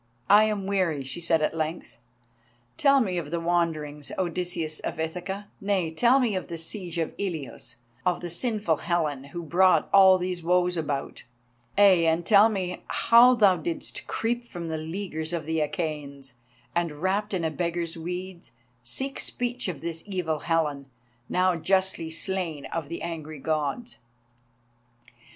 "I am weary," she said, at length. "Tell me of the wanderings, Odysseus of Ithaca—nay, tell me of the siege of Ilios and of the sinful Helen, who brought all these woes about. Ay, and tell me how thou didst creep from the leaguer of the Achæans, and, wrapped in a beggar's weeds, seek speech of this evil Helen, now justly slain of the angry Gods."